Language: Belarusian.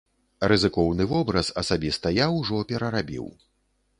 Рызыкоўны вобраз асабіста я ўжо перарабіў.